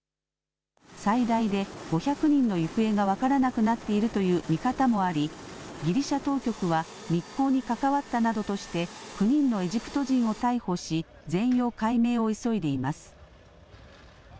最大で５００人の行方が分からなくなっているという見方もあり、ギリシャ当局は密航に関わったなどとして、９人のエジプト人を逮捕し、全容解明を急いでいます。